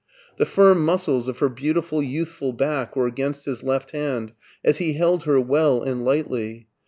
The firm muscles of her beautiful youthful back were against his left hand, as he held her well and lightly.